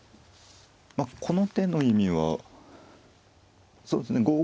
この手の意味はそうですね